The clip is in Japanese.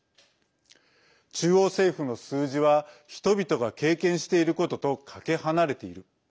中央政府の数字は人々が経験していることとかけ離れている。